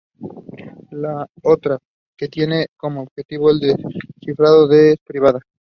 La otra, que tiene como objetivo el descifrado, es privada.